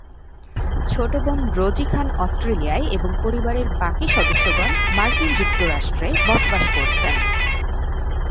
ছোট বোন রোজী খান অস্ট্রেলিয়ায় এবং পরিবারের বাকি সদস্যগণ মার্কিন যুক্তরাষ্ট্রে বসবাস করছেন।